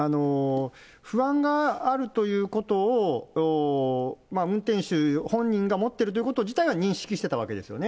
不安があるということを運転手本人が持っているということ自体は認識してたわけですよね。